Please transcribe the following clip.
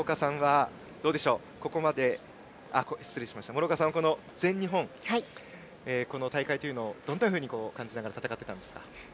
諸岡さんはこの全日本の大会というのをどんなふうに感じながら戦っていたんですか。